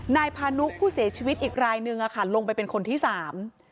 นายพานุผู้เสียชีวิตอีกรายนึงอ่ะค่ะลงไปเป็นคนที่สาม